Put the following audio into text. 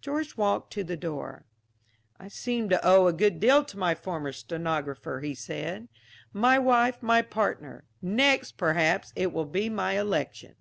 George walked to the door. "I seem to owe a good deal to my former stenographer," he said, "my wife, my partner; next, perhaps it will be my election."